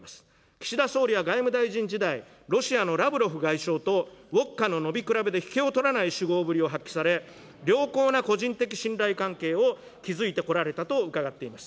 岸田総理は外務大臣時代、ロシアのラブロフ外相とウォッカの飲み比べで引けを取らない酒豪ぶりを発揮され、良好な個人的信頼関係を築いてこられたと伺っています。